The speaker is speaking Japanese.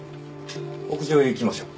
屋上へ行きましょう。